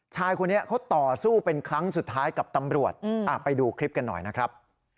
ชายคนนี้เขาต่อสู้เป็นครั้งสุดท้ายกับตำรวจไปดูคลิปกันหน่อยนะครับ